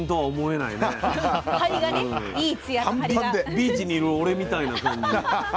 ビーチにいる俺みたいな感じ。